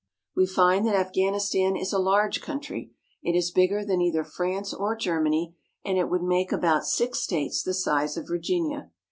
We find that Afghanistan is a large country. It is bigger than either France or Germany, and it would make about six states the size of Virginia.